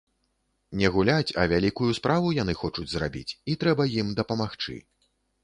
Не гуляць, а вялікую справу яны хочуць зрабіць, і трэба ім дапамагчы.